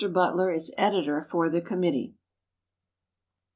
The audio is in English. Butler is editor for the committee.